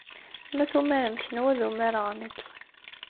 Ma tumarem kenwi, ad umareɣ nekk.